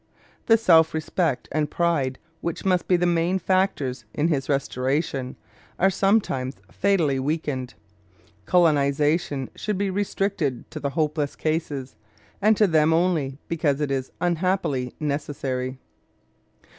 The self respect and pride which must be the main factors in his restoration are sometimes fatally weakened. Colonization should be restricted to the hopeless cases, and to them only because it is unhappily necessary.